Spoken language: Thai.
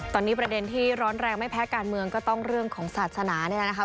ตอนนี้ประเด็นที่ร้อนแรงไม่แพ้การเมืองก็ต้องเรื่องของศาสนานี่แหละนะครับ